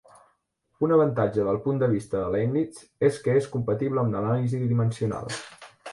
Un avantatge del punt de vista de Leibniz és que és compatible amb l’anàlisi dimensional.